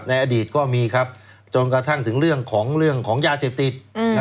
ในอดีตก็มีครับจนกระทั่งถึงเรื่องของยาเสพติด